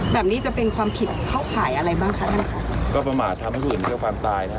แบบนี้จะเป็นความผิดเข้าข่ายอะไรบ้างคะท่านค่ะก็ประมาททำให้ผู้อื่นเดียวความตายนะฮะ